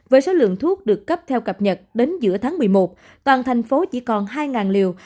với số lượng thuốc được cấp theo cập nhật đến giữa tháng một mươi một toàn thành phố chỉ còn hai liều